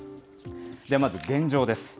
ではまず、現状です。